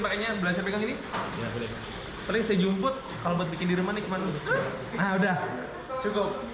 pakainya belas pekang ini terlihat sejumput kalau buat bikin di rumah ini cuma sudah cukup